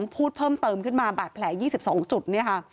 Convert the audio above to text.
พูดเพิ่มเติมขึ้นมาบาดแผล๒๒จุดเนี่ยค่ะ